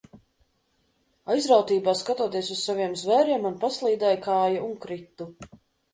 Aizrautībā skatoties uz saviem zvēriem, man paslīdēja kāja un kritu.